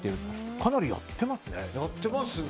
かなりやってますね。